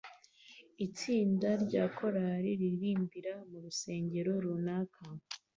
Itsinda rya korari riririmbira mu rusengero runaka